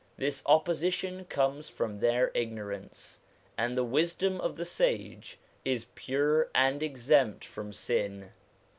This opposition comes from their ignorance, and the wisdom of the sage is pure and exempt from sin.